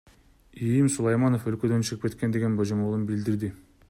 ИИМ Сулайманов өлкөдөн чыгып кеткен деген божомолун билдирди.